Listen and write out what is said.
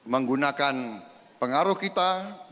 menggunakan pengaruh kita